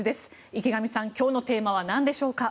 池上さん、今日のテーマは何でしょうか。